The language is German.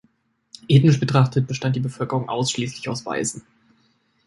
Ethnisch betrachtet bestand die Bevölkerung ausschließlich aus Weißen.